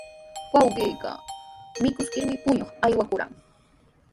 Wawqiiqa mikuskirmi puñuq aywakurqan.